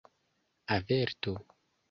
averto